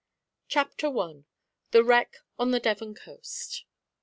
Chapter 1: The Wreck on the Devon Coast.